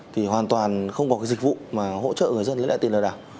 thì hoàn toàn không có cái dịch vụ mà hỗ trợ người dân lấy lại tiền lừa đảo